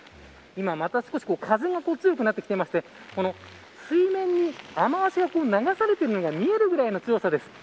今また少し風が強くなってきていて水面に雨脚が流されているのが見えるくらいの強さです。